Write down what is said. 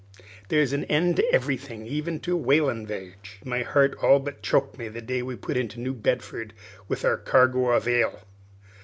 There's an end to everythin', even to a whalin' viage. My heart all but choked me the day we put into New Bedford with our cargo of ile.